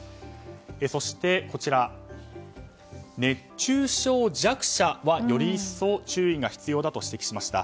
そして、熱中症弱者はより一層注意が必要だと指摘しました。